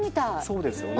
そうですよね。